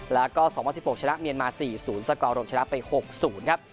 แล้วก็๒๐๑๖ชนะเมียนมา๔๐สกอร์รมชนะไป๖๐ครับ